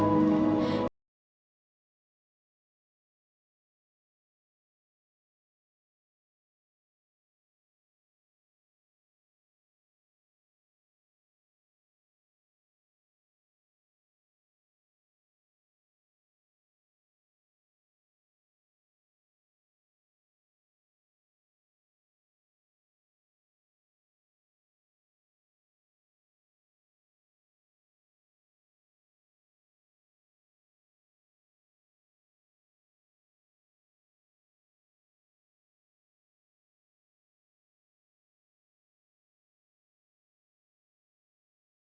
kamu bisa berbicara sama mbak lila